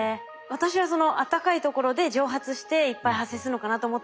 私はその暖かいところで蒸発していっぱい発生するのかなと思ったんですけど